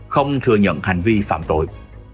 không thừa nhận hành vi phạm tội